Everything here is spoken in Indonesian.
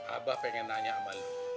abah pengen nanya sama lo